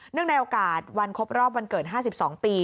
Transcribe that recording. ในโอกาสวันครบรอบวันเกิด๕๒ปี